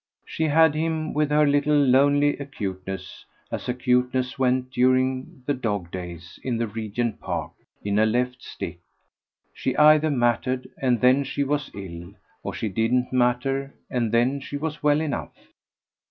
She had him, with her little lonely acuteness as acuteness went during the dog days in the Regent's Park in a cleft stick: she either mattered, and then she was ill; or she didn't matter, and then she was well enough.